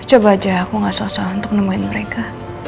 coba aja aku gak salah untuk nemuin mereka